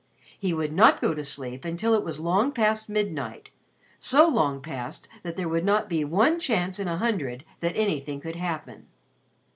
He would not go to sleep until it was long past midnight so long past that there would not be one chance in a hundred that anything could happen.